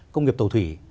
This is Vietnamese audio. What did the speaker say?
công nghiệp tổ thủy